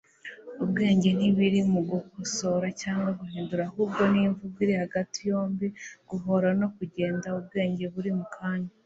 ubwenge ntiburi mu gukosora cyangwa guhinduka, ahubwo ni imvugo iri hagati yombi. guhora no kugenda ubwenge buri mu kanya